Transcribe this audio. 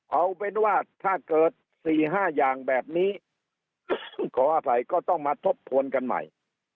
เอาเป็นว่าถ้าเกิด๔๕อย่างแบบนี้ขออภัยก็ต้องมาทบทวนกันใหม่